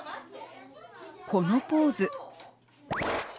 このポーズ。